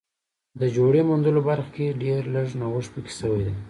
د جوړې موندلو برخه کې ډېر لږ نوښت پکې شوی دی